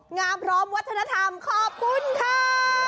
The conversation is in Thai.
พร้อมวัฒนธรรมขอบคุณค่ะ